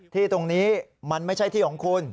ที่ตรงนี้มันไม่ใช่ที่ของคุณ